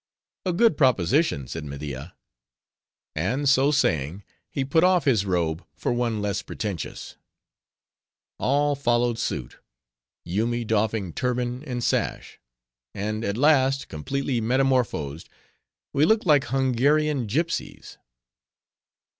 "A good proposition," said Media. And so saying, he put off his robe for one less pretentious. All followed suit; Yoomy doffing turban and sash; and, at last, completely metamorphosed, we looked like Hungarian gipsies.